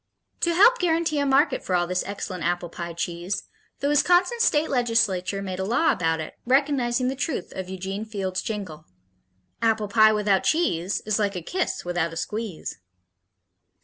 To help guarantee a market for all this excellent apple pie cheese, the Wisconsin State Legislature made a law about it, recognizing the truth of Eugene Field's jingle: Apple pie without cheese Is like a kiss without a squeeze.